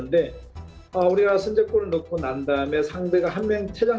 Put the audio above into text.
jadi kami ingin menang tapi setelah kita menang